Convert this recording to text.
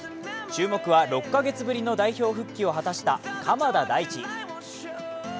注目は６カ月ぶりの代表復帰を果たした鎌田大地。